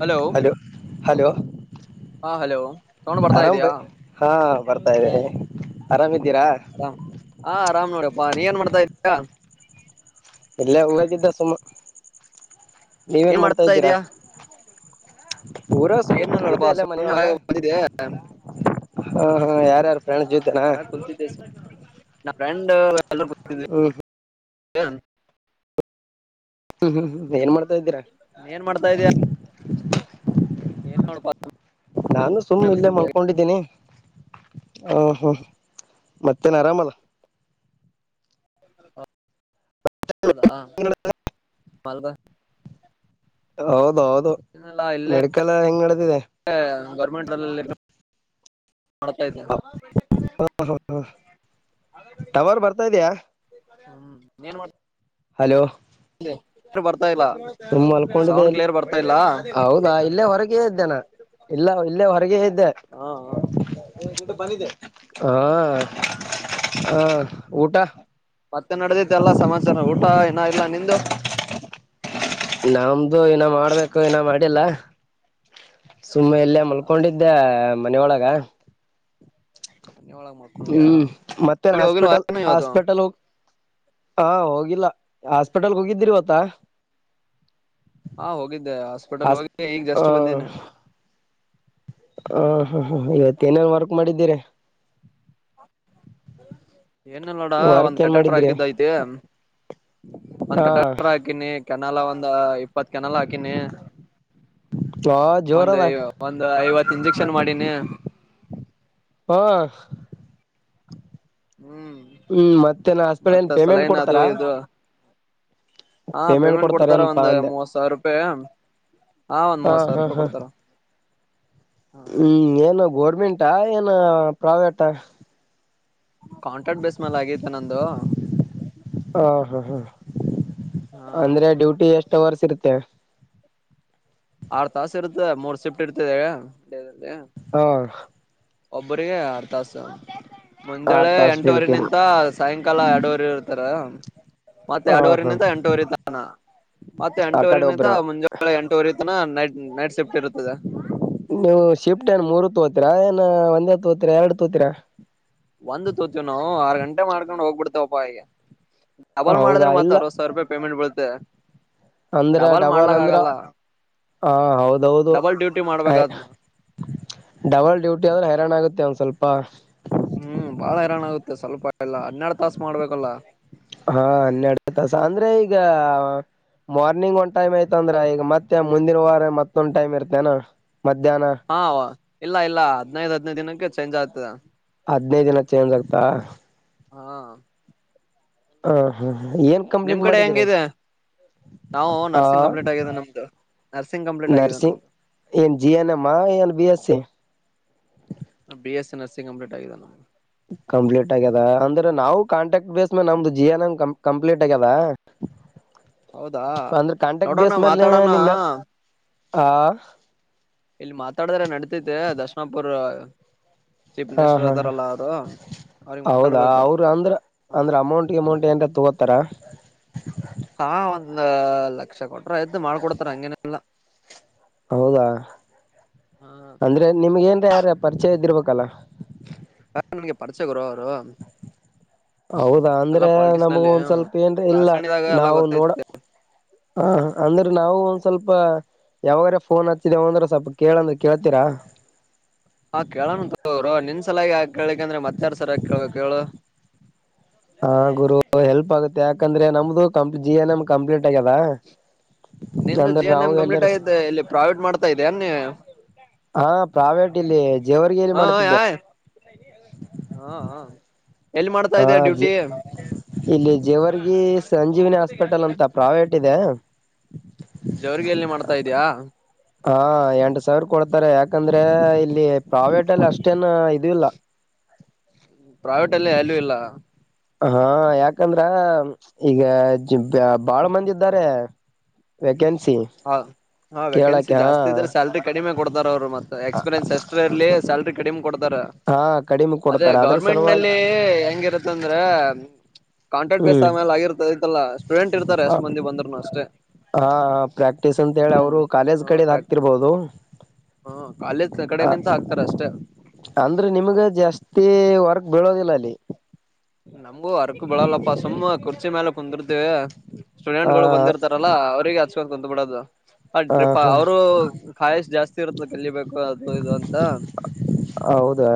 Hello hello ಹಾ hello ತಗೊಂಡ್ ಬರ್ತಾ ಆರಾಮ್ ಇದಯಾ ಬೈ ಹಾ ಬರ್ತಾ ಇದೆ ಆರಾಮಿದ್ದೀರಾ ರಾಮ್ ಹಾ ಆರಾಮ್ ನೋಡಪ್ಪಾ ನೀ ಏನ್ ಮಾಡ್ತಾ ಇದ್ದೀಯ ಇಲ್ಲೇ ಹೂಾಗಿದ್ದ ಸುಮ ಏನ್ ನೀವೇನ್ ಮಾಡ್ತಾ ಇದ್ದೀರಾ ಇದಯಾ ಊರ ಸುಮ್ ಏನ ಕುಂತತಿದ್ದೆ ನೋಡಪ್ಪಾ ಅಲ್ಲ ಮನ ಸುಮ್ನೆ ಒಳಗ ಹಾಗೆ ಬಂದಿದ್ದೆ ಹಾ ಹಾ ಯಾರ್ಯಾರು ಫ್ರೆಂಡ್ ಜ್ಯೋತನಾ ನ ಫ್ರೆಂಡ ಎಲ್ಲ ಏನ್ ಮಾಡ್ತಾ ಹ್ಮ್ ಇದ್ದೀರಾ ನೀ ಏನ್ ಮಾಡ್ತಾ ಇದಯ ಏನ್ ಮಾಡೋಪಾ ನಾನು ಸುಮ್ಮ್ ಇಲ್ಲೇ ಮಲ್ಕೊಂಡಿದ್ದೀನಿ ಹ ಹ್ಮ್ ಮತ್ತೇನ್ ಆರಾಮಲ್ಲ ಹೌದ ಮಲ್ಗ ಹೌದು ಹೌದು ಏನಿಲ್ಲ ಇಲ್ಲೇ ಮೆಡಿಕಲ್ ಹೆಂಗ್ ನ್ದಿದೆ ಗೌರ್ಮೆಂಟ್ ಅಲ್ಲಿ ಮಾಡ್ತಾ ಇದ್ದೇವೆ ಟವರ್ ಬರ್ತಾ ಇದ್ಯಾ ನೀಏನ್ ಮಾಡ ಹಲೋ ಇ ಬರ್ ಸುಮ್ಮ್ ಅಲ್ಕೊಂಡಿದೆಲ್ಲಿ ಇಲ್ಲ ಹೌದಾ ಇಲ್ಲೇ ಹೊರಗೆೇ ಇದ್ದೇನಾ ಇಲ್ಲ ಇಲ್ಲೇ ಹೊರಗೆ ಇದ್ದೆ ಹಾ ಹಾ ಹ ಊಟಾ ಮತ್ತೆ ನಡೆದಿದ್ದ ಎಲ್ಲ ಸಮಾಚಾರ ಊಟ ಏನ ಇಲ್ಲ ನಿಂದು ನಮ್ದು ಏನ ಮಾಡ್ಬೇಕು ಏನ ಮಾಡಿಲ್ಲಾ ಸುಮ್ಮನೆ ಎಲ್ಲೇ ಹೌದಾ ಮಲ್ಕೊಂಡಿದ್ದೆ ಮನೊಳಗ ಮನೆಯೊಳಗ್ ಮಲ್ಕೊಂಡ್ಯಾ ಹ್ಮ್ ಮತ್ತೇನ್ ಹೋಗಿಲ್ವಾ ಹಾಸ್ಪಿಟಲ್ ಏನು ಇವತ್ತು ಹಾಸ್ಪಿಟಲ್ ಹೋಗ ಹಾ ಹೋಗಿಲ್ಲ ಹಾಸ್ಪಿಟಲ್ಗೆ ಹೋಗಿದ್ದಿರಿವತ್ತ ಹಾ ಹೋಗಿದ್ದೆ ಹಾಸ್ಪಿಟಲ್ ಹೋಗಿದ್ದ ಈಗ್ ಹ ಜಸ್ಟ್ ಬಂದೇನ ಹ ಹಾ ಹಾ ಇವತ್ತ ಏನೇನ್ ವರ್ಕ್ ಮಾಡಿದ್ದೀರಿ ಬ ಏನಲ್ ನೋಡ ಒಂದ್ ವರ್ಕ್ ಏನ್ ಕಟೋಟರ್ ಮಾಡಿದ್ರಿ ಹಾಕಿದ್ದ ಐತಿ ಒಂದ್ ಹಾ ಕಟೋಟರ್ ಹಾಕಿನಿ ಕೆನಾಲ ಒಂದ ಇಪ್ಪತ್ ಕೆನಾಲ್ ಹಾಕಿನಿ. ಹಾ ಒಂದ್ ಜೋರದ ಐ ಒಂದ್ ಐವತ್ತು ಇಂಜೆಕ್ಷನ್ ಮಾಡೀನಿ. ಹಾ ಹ್ಮ್ ಹ್ಮ್ ಮತ್ತೇನ್ ಹಾಸ್ಪಿಟಲ್ ಏನ್ ಮತ್ತ ಪೇಮೆಂಟ್ ಸಲಾಯನ್ ಅದು ಕೊಡ್ತಾರ ಇದು. ಹಾ ಪೇಮೆಂಟ್ ಕೊಡ್ತಾರ ಒಂದ್ ಮೂವತ್ ಸಾವಿರ ರೂಪಾಯಿ. ಹಾ ಒಂದ್ ಮೂವತ್ ಸಾವಿರ ಹಾ ರೂಪಾಯಿ ಹಾ ಕೊಡ್ತಾರ. ಹ ಹ್ಮ್ ಏನು ಗೋರ್ಮೆಂಟಾ ಏನ ಪ್ರೈವೇಟಾ. ಕಾಂಟ್ರಾಕ್ಟ್ ಬೇಸ್ ಮೇಲೆ ಆಗೈತೆ ನಂದು ಹಾ ಹಾ ಹಾ ಹಾ ಅಂದ್ರೆ ಡ್ಯೂಟಿ ಎಷ್ಟ್ ಅವರ್ಸ್ ಇರುತ್ತೆ. ಆರ್ ತಾಸ ಇರುತ್ತೆ ಮೂರ್ ಶಿಫ್ಟ್ ಇರುತ್ತೆ ಹಾ ಒಬ್ಬ್ರಿಗೆ ಆರತಾಸ ಆರ್ ಮುಂಜಾಳೆ ತಾಸ್ ಎಂಟವರೆ ಡ್ಯೂಟಿನ ನಿಂತ ಸಾಯಂಕಾಲ ಎರಡೂವರೆ ಇರ್ತಾರೆ ಮತ್ತೆ ಹ ಹಾ ಎರಡುವರೆನಿಂತ ಎಂಟೂವರೆತಾನ ಮತ್ತೆ ಆ ಕಡೆ ಎಂಟೂವರೆನಿಂತ ಒಬ್ರ ಮುಂಜಳೆ ಎಂಟವ ಅಣ್ಣ ನೈಟ್ ನೈಟ್ ಸೇಫ್ಟಿ ಇರುತ್ತದ. ನೀವು ಶಿಫ್ಟ್ ಏನ್ ಮೂರು ತೋತೀರಾ, ಏನ್ ಒಂದೇ ತೋತೀರಾ, ಎರಡು ತೋತೀರಾ, ಒಂದ್ ತೋತವಿ ನಾವು ಆರ್ ಗಂಟೆ ಮಾಡ್ಕೊಂಡ್ ಹೋಗ್ಬಿಡ್ತಾವಪ್ಪಾ ಈಗ ಡಬಲ್ ಹೌದಾ ಮಾಡ್ರೆ ಮತ್ತ ಇಲ್ಲ ಅರವತ್ ಸಾವಿರ ರೂಪಾಯಿ ಪೇಮೆಂಟ್ ಬೀಳುತ್ತೆ. ಅಂದ್ರ ಡಬಲ್ ಮಾಡ್ಲಕ್ ಅಂದ್ರ ಆಗಲ್ಲ ಹ ಹೌದೌದು ಡಬಲ್ ಡ್ಯೂಟಿ ಆಯ್ ಮಾಡ್ಬೇಕಾಗ್ತದ ಡಬಲ್ ಡ್ಯೂಟಿ ಆದ್ರೆ ಹೈರಾಣ ಆಗುತ್ತೆ ಅವ ಹ್ಮ್ ಬಾಳ ಹೈರಾಣ ಆಗುತ್ತೆ ಸ್ವಲ್ಪ ಅಲ್ಲಾ ಹನ್ನೆರಡು ತಾಸ ಮಾಡ್ಬೇಕಲ್ಲ ಹಾ ಹನ್ನೆರಡು ತಾಸ ಅಂದ್ರೆ ಈಗ ಮಾರ್ನಿಂಗ್ ಒಂದ್ ಟೈಮ್ ಆಯತ ಅಂದ್ರ ಈಗ ಮತ್ತೆ ಮುಂದಿನ ವಾರ ಮತ್ತೊಂದ್ ಟೈಮ್ ಇರ್ತೇನ ಮಧ್ಯಾಹ್ನ ಹಾ ಇಲ್ಲ ಇಲ್ಲ ಹದಿನೈದು ಹದ್ ನೈದು ದಿನಕ್ಕೆ ಚೇಂಜ್ ಆಗ್ತದೆ ಹದ್ ನೈದು ದಿನ ಚೇಂಜ್ ಆಗ್ತಾ ಹಾ ಹಾ ಹಾ ಏನ್ ನಿಮ್ ಕಂಪ್ಲೀಟ್ ಕಡೆ ಮಾಡಿದೀರಾ ಹೆಂಗಿದೆ ನಾವು ನರ್ಸಿಂಗ್ ಕಂಪ್ಲೀಟ್ ಆಗಿದೆೇ ನಮ್ದು ನರ್ಸಿಂಗ್ ಕಂಪ್ಲೀಟ್ ಆಗಿದೆ ನರ್ಸಿಂಗ್ ನಮ್ದು ಎನ್ ಜೀ ಎನೆ ಮಾ ಎನ್ ಬಿಎಸಿಎ B S C nursing complete ಆಗಿದೆ ನಮಗೆ ಕಂಪ್ಲೀಟ್ ಆಗ್ಯದ ಅಂದ್ರೆ ನಾವು ಕಾಂಟ್ರಾಕ್ಟ್ ಬೇಸ್ ಮ್ಯಾಗ ನಮ್ದು ಜಿ ಎನ್ ಎಮ್ ಕಂಪ್ಲೀಟ್ ಆಗ್ಯದ. ಹೌದಾ ಅಂದ್ರೆ ಕಾಂಟ್ಯಾಕ್ಟ್ ಬೇಸ್ ನೋಡೋಣ ಮೇಲೆ ಮಾತಾಡೋಣ ನಿಮ್ಮ ಹಾ ಇಲ್ಲಿ ಮಾತಾಡಿದ್ರ ನಡತೈತೆ ದರ್ಶನಾಪುರ. ಚೀಫ್ ಹ ಹಾ ಮಿನಿಸ್ಟರ್ದಾರಲ್ಲದು ಹೌದಾ ಅವರು ಅಂದ್ರ ಅಂದ್ರ ಅಮೌಂಟ್ ಗಿಮೌಂಟ್ ಎಂತ ತಗೋತಾರ ಹಾ ಒಂದ್ ಲಕ್ಷ ಕೊಟ್ರ ಆತ್ ಮಾಡ್ಕೊಡ್ತಾರ ಹಂಗೇನಿಲ್ಲಾ ಹೌದಾ ಅಂದ್ರೆ ನಿಮ್ಗ ಏನ್ ಯಾರ ಪರಿಚಯ ಇದ್ದಿರ್ಬೇಕ ಕಲ ಹ ನಿಗೆ ಪಡಚ ಗುರ [unintelligible] ಹೌದಾ ಅಂದ್ರೆ ನಮಗ ಒಂದ್ ಸ್ವಲ್ಪ ಏನ್ ಇಲ್ಲ ರಾಜಕಾರಣಿದಾಗ ಎಲ್ಲ ನಾವು ಗೊತ್ತೈತಿ ನೋಡ ಹಾ ಅಂದ್ರೆ ನಾವು ಒಂದ್ ಸ್ವಲ್ಪ ಯಾವಾಗ್ರ ಫೋನ್ ಹತ್ತಿದೇವ ಅಂದ್ರೆ ಸ್ವಲ್ಪ ಕೇಳಂದ್ರೆ ಕೇಳ್ತೀರಾ ಹಾ ಕೇಳಣಂತರ ನಿನ್ ಸಲಾಗಿ ಆ ಕೇಳಿಕ ಅಂದ್ರೆ ಮತ್ತಾರ್ ಸರಯ ಕೇಳ ಕೇಳು ಹಾ ಗುರು ಹೆಲ್ಪ್ ಆಗುತ್ತೆ ಯಾಕಂದ್ರೆ ನಮ್ದು ಕಂಪ್ ಜಿ ಎನ್ ಎಮ್ ಕಂಪ್ಲೀಟ್ ಆಗ್ಯದ ನಿ ಅಂದ್ರೆ ಜಿ ಎನ್ ನಾವು ಎಂ ಕಂಪ್ಲೀಟ್ ಎಲ್ಲರ ಆಗಿದ್ದ ಇಲ್ಲಿ ಪ್ರಾವೇಟ್ ಮಾಡ್ತಾ ಇದ ಅನ್ ಹಾ ಪ್ರಾವೇಟ್ ಇಲ್ಲಿ ಜೇವರ್ಗಲ್ಲಿ ಹಾ ಮಾಡತಿದ್ದೆ ಯಾಯ್ ಹಾ ಹಾ ಎಲ್ಲಿ ಮಾಡ್ತಾ ಹಾ ಇದೀಯ ಜಿ ಡ್ಯೂಟಿ ಇಲ್ಲಿ ಜೇವರ್ಗಿ ಸಂಜೀವಿನಿ ಹಾಸ್ಪಿಟಲ್ ಅಂತ ಪ್ರಾವೇಟ್ ಇದೆ [unintelligible] ಜವರಿಗೆ ಎಲ್ಲಿ ಮಾಡ್ತಾರೆ ಹಾ ಎಂಟ ಸಾವಿರ ಕೊಡ್ತಾರೆ ಯಾಕಂದ್ರೆ ಇಲ್ಲಿ ಪ್ರಾವೇಟ್ ಅಷ್ಟೇನು ಇದ ಇಲ್ಲ ಪ್ರೈವೇಟ್ ಅಲ್ಲಿ ಅಲ್ಯೂ ಇಲ್ಲ ಹಾ ಯಾಕಂದ್ರ ಈಗ ಬಾಳ ಮಂದ ಇದ್ದಾರೆ ವೆಕೆನ್ಸಿ ಹೌದು ಹಾ ವೇಕೆನ ಜಾಸ್ತಿ ಇದ್ರ ಸಲ್ರಿ ಕಡಿಮೆ ಕೊಡ್ತಾರ ಅವರು ಮತ್ ಎಕ್ಸ್ಪೀರಿಯನ್ಸ್ ಎಷ್ಟ್ರ ಇರ್ಲಿ ಸ್ಯಾಲ್ರಿ ಕಡಿಮೆ ಕೊಡ್ತಾರ ಹಾ ಕಡಿಮೆ ಅದೇ ಕೊಡ್ತಾರೆ ಅದ್ರ ಗೌರ್ಮೆಂಟ್ ಸಲುವಾಗಿ ನಲ್ಲಿ ಹೆಂಗಿರತ್ತ ಅಂದ್ರೆ ಕಾಂಟಾಕ್ಟ್ ಬೇಸ್ ಹ್ಮ್ ಆಮೇಲೆ ಆಗಿರ್ತೈಐತಲ್ಲ ಸ್ಟೂಡೆಂಟ್ ಇರ್ತಾರೆ ಅಷ್ಟ ಮಂದ ಬಂದ್ರುನು ಅಷ್ಟೇ ಹಾ ಹಾ ಪ್ರಾಕ್ಟೀಸ್ ಅಂತ ಹೇಳಿ ಅವರು ಕಾಲೇಜ್ ಹ ಕಡೆದ ಪ್ರಾಕ್ ಹಾಕ್ತಿರ್ಬಹದು ಹ ಕಾಲೇಜ್ ಕಡೆ ಅ ನಿಂತ ಹಾಕ್ತಾರ ಅಷ್ಟೇ ಅಂದ್ರೆ ನಿಮ್ಗ ಜಾಸ್ತಿ ವರ್ಗ್ ಬೀಳೋದಿಲ್ಲ ಅಲ್ಲಿ ನಂಬೂ ಅರಕ ಬಿಳಲ್ಲಪ್ಪ ಸುಮ್ಮ ಕುರ್ಚಿ ಮೇಲೆ ಕುಂದರುದು ಸ್ಟೂಡೆಂಟ್ ಆ ಗಳು ಬಂದಿರ್ತಾರಲ್ಲಾ ಅವ್ರರಿಗೆ ಹಚ್ಕೊಂಡು ಕುಂತ ಬಿಿಡೋದು ಹ ಅವರು ಕಾಯ ಜಾಸ್ತಿ ಇರ್ತ ಕಲಿಬೇಕು ಅದು ಇದು ಅಂತ ಹೌದಾ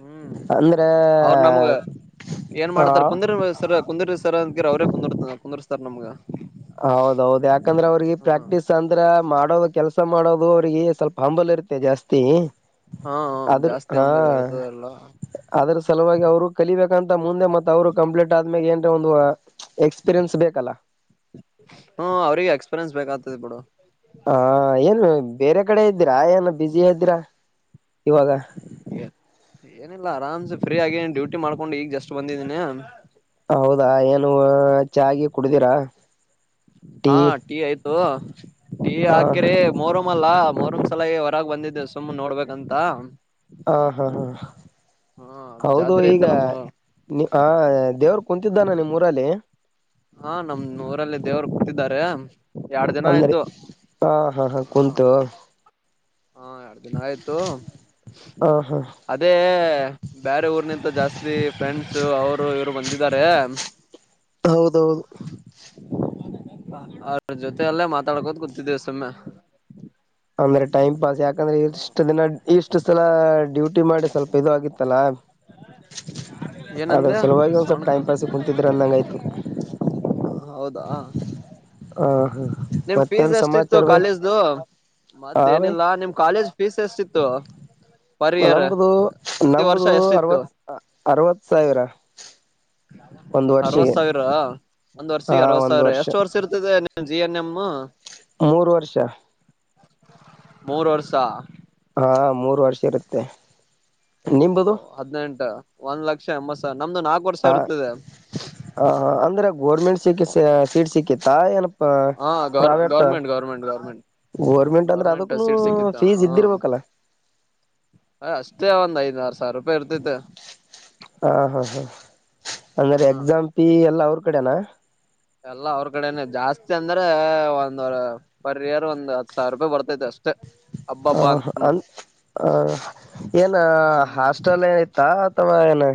ಹ್ಮ್ ಅಂದ್ರೆ ಅವರು ನಮ್ಗ ಏನ್ ಹ ಮಾಡ್ತಾರ ಕುಂದ್ರಸರ್ ಕುಂದಿರ್ತರ್ ಅಂತಕಿ ಅವ್ರೇ ಕುಿರ್ತ ಕುಂದಿರ್ತರ್ ನಮ್ಗೆ ಹೌದೌದು ಯಾಕಂದ್ರೆ ಅವ್ರಿಗೆ ಪ್ರಾಕ್ಟೀಸ್ ಅಂದ್ರ ಮಾಡ ಮಾಡ ಕೆಲಸ ಮಾಡೋದು ಅವ್ರರಿಗೆ ಸ್ವಲ್ಪ ಹಂಬಲ್ ಇರುತ್ತೆ ಜಾಸ್ತಿ ಹಾ ಅದ್ರ ಜಾಸ್ತಿ ಹಾ ಅಂಬದ ಇರ್ತದಲ್ಲ ಅದ್ರ ಸಲುವಾಗಿ ಅವರು ಕಲಿಬೇಕಂತ ಮುಂದೆ ಮತ್ತತ್ ಅವ್ರು ಕಂಪ್ಲೀಟ್ ಆದ್ಮೇಾಗ ಏನ್ರ ಒಂದು ಎಕ್ಸ್ಪೀರಿಯನ್ಸ್ ಬೇಕಲ್ಲ ಹ್ಮ ಅವ್ರಿಗೆ ಎಕ್ಸ್ಪೀರಿಯನ್ಸ್ ಬೇಕಾಗತದೆ ಬಿಡು ಹಾ ಏನು ಬೇರೆ ಕಡೆ ಇದ್ದೀರಾ ಏನು ಬ್ಯುಸಿ ಇದ್ದೀರಾ ಇವಾಗ ಏನಿಲ್ಲ ಆರಾಮ್ಸ ಸರಿ ಹಾಗೆ ಡ್ಯೂಟಿ ಮಾಡ್ಕೊಂಡು ಈಗ ಜಸ್ಟ್ ಬಂದಿದ್ದೀನಿ ಹೌದಾ ಏನು ಚಾಗೆ ಕುಡ್ದಿರಾ ಹಾ ಟೀ ಆಯ್ತು ಟೀ ಹ ಹ ಹಾಕ್ರೆ ಮೊರಮಲ್ಲ ಮೂರ್ ಒಂದ್ ಸಲ ಹೊರಗ ಬಂದಿದ್ದೆ ಸುಮ್ಮ್ನೆ ನೋಡ್ಬೇಕಂತ ಹಾ ಹಾ ಹಾ ಹಾ ಅದು ಹೌದು ಜಾತ್ರೆ ಈಗ ಐತಲ್ಲ ಮೊ ನಿ ಆ ದೇವರು ಕುಂತಿದ್ದಾನ ನಿಮ್ಮೂಊರಲ್ಲಿ ಅ ಅಂದ್ರೆ ಹ ಹಾ ಹಾ ಹ ಕುಂತು ಹಾ ಎರ ದಿನ ಆಯ್ತು ಹ ಹಾ ಅದೇ ಬೇರೆ ಊರ್ನಂತ ಜಾಸ್ತಿ ಫ್ರೆಂಡ್ಸ್ ಅವರು ಇವ್ರು ಬಂದಿದ ಇದಾರೆ ಹೌದೌದು ಅ್ರ ಜೊತ ಅಲ್ಲೇ ಮಾತಾಡ್ಕೋದು ಗೊತ್ತಿದ್ದೇವೆ ಸುಮ್ಮನೆ ಅಂದ್ರೆ ಟೈಮ್ ಪಾಸ್ ಯಾಕಂದ್ರೆ ಇಷ್ಟ ದಿನ ಇಷ್ಟು ಸಲ ಡ್ಯೂಟಿ ಮಾಡಿ ಸ್ವಲ್ಪ ಇದು ಆಗಿತ್ತಲ್ಲ ಆದದ್ರ ಏನಂದೆ ಸಲುವಾಗಿ ಒಂದು ಸ್ವಲ್ಪ ಸೌಂಡ್ ಟೈಮ್ ಪಾಸಿಗೆ ಕೂತಿದ್ರೆ ಅಂದಂಗಾಯ್ತು ಹೌದಾ ಆ ಹಾ ನಿಮ್ ಫೀಸ್ ಎಷ್ಟ ಇತ್ತು ಕಾಲೇಜ್ದು ಹ ಭೈ ಮತ್ತೇನಿಲ್ಲ ನಿಮ್ ಕಾಲೇಜ್ ಫೀಸ್ ಎಷ್ಟಿತ್ತು ಪರ್ ಇಯರ್ ನಂಬುದು ಪ್ರತಿ ವರ್ಷ ನಂಬುದು ಎಷ್ಟಿತ್ತು ಅರವತ್ ಅರವತ್ ಸಾವಿರ ಒಂದು ಅರವತ್ ವರ್ಷಿಗೆ ಸಾವಿರ ಒಂದ್ ಹಾ ವರ್ಷಗೆ ಅರವತ್ ಒಂದ್ ಸಾವಿರ ಎಷ್ಟು ವರ್ಷ ಇರ್ತದೆ ಜಿ ಎನ್ ಎಮ್ ಮೂರು ವರ್ಷ ಮೂರು ವರುಷ ಹಾ ಮೂರು ವರ್ಷ ಇರುತ್ತೆ ನಿಂಬುದು ಹದ್ನೆಂಟ ಒಂದ್ ಲಕ್ಷ ಎಂಬತ್ ಸಾವಿರ ನಮ್ದು ನಾಲ್ಕು ವರ್ಷ ಹ ಇರುತ್ತದೆ ಅಂದ್ರೆ ಗೋರ್ಮೆಂಟ್ ಸಿಕ್ಕ ಸೀಟ್ ಸಿಕ್ಕಿತ್ತಾ ಏನ ಹಾ ಗೌರ್ private government government government government ಅಂದ್ರೆ ಗೌರ್ಮೆಂಟ್ ಅದಕ್ಕೂನು ಸೀಟ್ ಸಿಕ್ಕಿತ್ತ ಫೀಸ್ ಇದ್ದಿರ್ಬೇಕಲ್ಲ ಹ ಅಷ್ಟೇ ಒಂದ್ ಐದು ಹ ಹಾ ಹಾ ಹ ಅಂದ್ರೆ ಎಕ್ಸಂ ಪಿ ಎಲ್ಲ ಅವ್ರ ಕಡೆನಾ ಎಲ್ಲ ಅವ್ರ ಕಡೆನೆ ಜಾಸ್ತಿ ಅಂದ್ರೆ ಒಂದ ಪರ್ ಇಯರ್ ಒಂದ ಹತ್ ಸಾವಿರ ರೂಪಾಯಿ ಬರ್ತೈತಿ ಅಷ್ಟೆ ಹ ಹ ಹಾ ಏನ ಹ್ಮ್ ಹಾಸ್ಟೆಲ್ ಏನ ಇತ್ತ ಅಥವಾ ಏ ನ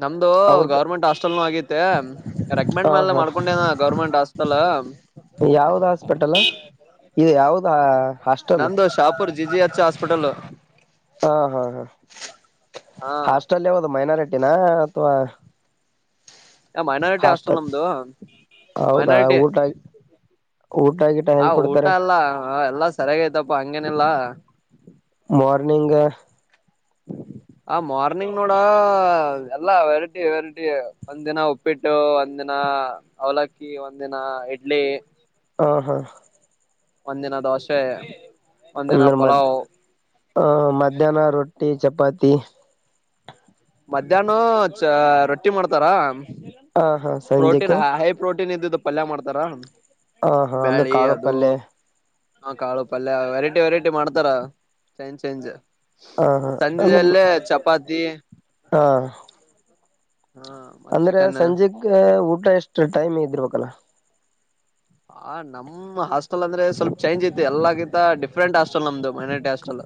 ನಮ್ದು ಗೌರ್ಮೆಂಟ್ ಹಾಸ್ಟೆಲ್ನು ಆಗೈತೆ ಹ ರೆಕಮೆಂಡ್ ಮೇಲೆ ಹಾ ಮಾಡ್ಕೊಂಡೆನ ಗೌರ್ಮೆಂಟ್ ಹಾಸ್ಟೆಲ್ ಹ್ಮ್ ಯಾವ್ದ ಹಾಸ್ಪಿಟಲ್ ಇ ಯಾವ್ದ ಹಾಸ್ಟೆಲ್ ಪಿ ಜಿ ಅಚ್ಚಾ ಹಾಸ್ಪಿಟಲ್ ಹಾ ಹಾ ಹಾ ಹ ಹಾಸ್ಟೆಲ್ ಯಾವದು ಮೈನಾರಿಟಿನ ಅಥವಾ ಏ ಮೈನಾರಿಟಿ ಹಾಸ್ಟೆಲ್ ನಮ್ದು ಹೌದಾ ಮೈನಾರಿಟಿ ಊಟ ಊಟ ಗಿಟ ಆ ಹೆಂಗ್ ಊಟ ಕೊಡ್ತಾರೆ ಎಲ್ಲ ಎಲ್ಲಾ ಸರಿಯಾಗಯ್ತಪ್ಪ ಹಂಗೇನಿಲ್ಲ ಮಾರ್ನಿಂಗ್ ಹ ಮಾರ್ನಿಂಗ್ ನೋಡ ಎಲ್ಲಾ ವೆರೈಟಿ ವೆರೈಟಿ ಒಂದ್ ದಿನ ಉಪ್ಪಿಟ್ಟು ಒಂದ್ ದಿನ ಹಾ ಅವಲಕ್ಕಿ ಒಂದಿನ ಇಡ್ಲಿ ಹ ಹಾ ಒಂದಿನ ದೋಷೆ ಅಂದ್ರ ಮ ಹಾ ಮಧ್ಯಾಹ್ನ ರೊಟ್ಟಿ ಚಪಾತಿ ಮಧ್ಯಾಹ್ನ ಚಾ ರೊಟ್ಟಿ ಮಾಡ್ತಾರ ಹ ಹಾ ಪ್ರೋಟೀನ್ ಸಂಜೆಕ್ಕೆ ಹೈ ಪ್ರೋಟೀ [unintelligible] ಇಂದಿದ್ದು ಪಲ್ಯ ಮಾಡ್ತಾರ ಹ ಹಾ ಅಂದ್ರೆ ಬ್ಯಾಳಿ ಕಾಳು ಅದು ಪಲ್ಯ ಹಾ ಕಾಳು ಪಲ್ಯ ವೆರೈಟಿ ವೆರೈಟಿ ಮಾಡ್ತಾರ ಚೇಂಜ್ ಚೇಂಜ್ ಹ ಹಾ ಸಂಜೇಲಿ ಚಪಾತಿ ಹಾ ಹಾ ಮತ್ ಅಂದ್ರೆ ಚಿಕನ್ ಸಂಜೆಕ ಊಟ ಎಷ್ಟು ಟೈಮ್ ಇದಿರ್ಬೇಕಲ್ಲ ಆ ನಮ್ ಹಾಸ್ಟೆಲ್ ಅಂದ್ರೆ ಸ್ವಲ್ಪ ಚೇಂಜ್ ಐತಿ ಎಲ್ಲಗಿಂತ ಡಿಫ್ರೆಂಟ್ ಹಾಸ್ಟೆಲ್ ನಮ್ದು ಮೈನಾರಿಟಿ ಹಾಸ್ಟೆಲ್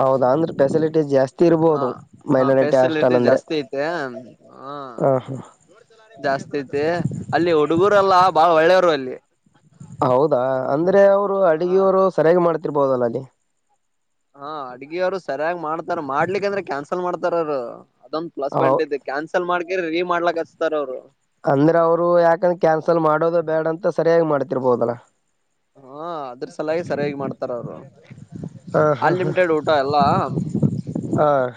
ಹೌದಾ ಅಂದ್ರೆ ಫೆಸಿಲಿಟಿ ಜಾಸ್ತಿ ಹ ಇರ್ಬೋದು ಹ ಮೈನಾರಿಟಿ ಫೆಸಿಲಿಟಿ ಹಾಸ್ಟೆಲ್ ಅಂದ್ರೆ ಜಾಸ್ತಿ ಐತೆ ಹ ಹ ಹಾ ಜಾಸ್ತಿ ಐತಿ ಅಲ್ಲಿ ಹುಡುಗೂರಲ್ಲ ಬಾಳ ಒಳ್ಳೆ ಹೌದಾ ಅಂದ್ರೆ ಅವರು ಹ ಅಡಗೆಯವರು ಸರಿಯಾಗಿ ಮಾಡ್ತಿರ್ಬೋದಲ್ಲ ಅಲ್ಲಿ ಹಾ ಅಡ್ಗಿ ಯವ್ರು ಸರಿಯಾಗಿ ಮಾಡ್ತಾರ ಮಾಡ್ಲಿಕ್ಕಂದ್ರೆ ಕ್ಯಾನ್ಸಲ್ ಮಾಡ್ತಾರ ಅವರು ಅದೊಂದ ಪ್ಲಸ್ ಹೌ ಪಾಯಿಂಟ್ ಇದೆ ಕ್ಯಾನ್ಸಲ್ ಮಾಡಕಿ ರೀ ಮಾಡ್ಲಕ್ ಹಚ್ತಾರ ಅವ್ರು ಅಂದ್ರೆ ಅವ್ರು ಯಾಕಂದ್ರ ಕ್ಯಾನ್ಸಲ್ ಮಾಡೋದು ಬೇಡ ಅಂತ ಸರಿಯಾಗಿ ಮಾಡ್ತಿರ್ಬೋದಲ್ಲ ಹಾ ಅದ್ರ ಸಲಾಗಿ ಸರಿಯಾಗಿ ಮಾಡ್ತಾರೆ ಅವ್ರು ಹ ಹಾ ಅನ್ಲಿಮಿಟೆಡ್ ಊಟ ಎಲ್ಲಾ ಹಾ ಹ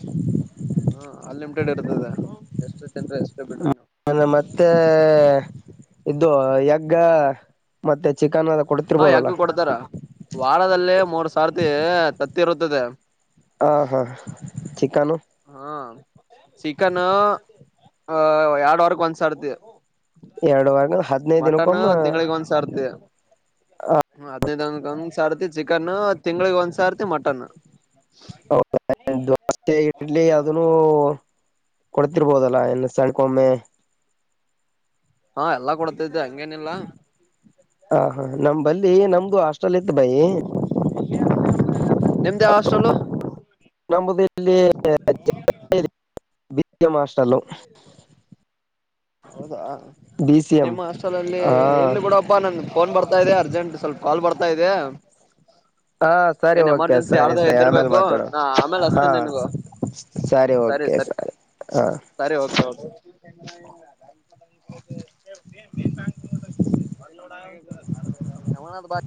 [inaudible] ಹ್ಮ ಅನ್ಲಿಮಿಟೆಡ್ ಇರ್ತದ ಎಷ್ಟು ತಿನ್ರಿ ಎಷ್ಟೇ ಬಿಡ್ರಿ ನೀವು ನಾನ ಮತ್ತೆ ಇದು ಎಂಗ್ ಮತ್ತೆ, ಚಿಕನ್ ಅದು ಕೊಡ್ತಿರ್ಬೋದಲ್ಲ. ರದಲ್ಲಿ ಮೂರ್ ಸಾರತಿ ತತ್ತಿ ಇರುತ್ತದೆ. ಹಾ, ಹಾ ಚಿಕನ್ ಹಾ ಚಿಕನ್ ಅ ಎರಡ ವಾರಕ್ಕ ಒಂದ್ಸರ್ತಿ. ಎರಡುವರೆ ಹದ್ನೈದು ಮಟನ್ ದಿನಕ್ಕೊಮ್ಮ ತಿಂಗಳಿಗೆ ಒಂದ್ ಸರ್ತಿ. ಹದನೈದ ಡಿನ್ಕಮ್ಮ ಸರ್ತಿ ಚಿಕನ್. ತಿಂಗಳಿಗೆ ಒಂದ್ ಸರ್ತಿ ಮಟನ್. ಹೌದ ದೋಸ್, ಇಡ್ಲಿ, ಅದನ್ನು ಕೊಡ್ತಿರ್ಬೋದಲ್ಲ. ಇಲ್ಲಿ ಸಂದಕೊಮ್ಮೆ. ಹಾ ಎಲ್ಲಾ ಕೊಡ್ತಿದ್ದೆ ಹಂಗೇನಿಲ್ಲ. ನಮ್ಮ ಬಲ್ಲಿ ನಮ್ದು ಹಾಸ್ಟೆಲ್ ಇತ್ತು. ಬೈ, ನಿಮ್ದ ಯಾವ ಹಾಸ್ಟೆಲು ನಂಬದು ಇಲ್ಲಿ, ಮ ಹಾಸ್ಟಲ್. ಹೌದಾ, ಎಂ ನಿಮ್ಮ ಹಾಸ್ಟೆಲ್ ಅಲ್ಲಿ ಹಾ ಇರ್ಲಿ ಬಿಡ್ಡಪ್ಪ ನನ್ ಫೋನ್ ಬರ್ತಾ ಇದೆ. ಅರ್ಜೆಂಟ್ ಸ್ವಲ್ಪ ಕಾಲ್ ಬರ್ತಾ ತ ಇದೆ. ಹಾ ಸರಿ ಏನ್ ಓಕೆ ಎಮರ್ಜೆನ್ಸಿ ಸರಿ ಯಾರ್ದೇ ಸರಿ ಆಮೇಲೆ ಇದ್ದೀರರ್ಬೇಕು ಮಾತಾಡೋಣ ನಾ ಆಮೇಲೆ ಹಾ ಅಸ್ತನೀ ನಿನಗ. ಸರಿ, ಸರಿ, ಸರಿ ಓಕೆ, ಓಕೆ [unintelligible]